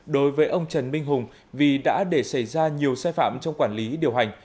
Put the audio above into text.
đối với ông trần minh hùng vì đã để xảy ra nhiều sai phạm trong quản lý điều hành